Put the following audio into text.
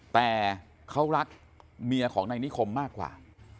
แต่เขารักเมียของนายนิคมมากกว่า